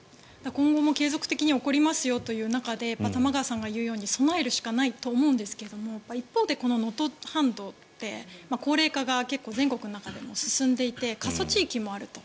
今後も継続的に起きますよということで玉川さんが言うように備えるしかないと思うんですけど一方で能登半島って高齢化が結構、全国の中でも進んでいて過疎地域もあると。